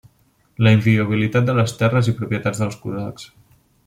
La inviolabilitat de les terres i propietats de cosacs.